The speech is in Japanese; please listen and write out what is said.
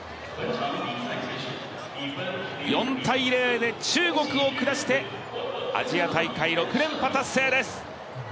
４−０で中国を下してアジア大会６連覇達成です。